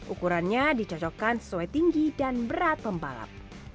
ukurannya dicocokkan sesuai tinggi dan berat pembalap